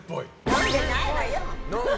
飲んでないわよ。